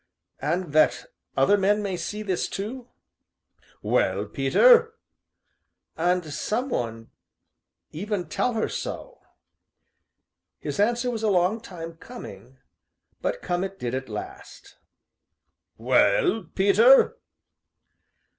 "And that other men may see this too?" "Well, Peter?" "And some one even tell her so?" His answer was a long time coming, but come it did at last: "Well, Peter?"